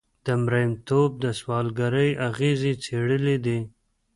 د مریتوب د سوداګرۍ اغېزې څېړلې دي.